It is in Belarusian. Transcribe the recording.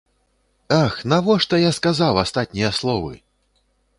Ах, навошта я сказаў астатнія словы!